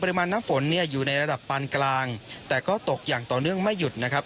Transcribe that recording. ประมาณน้ำฝนเนี่ยอยู่ในระดับปานกลางแต่ก็ตกอย่างต่อเนื่องไม่หยุดนะครับ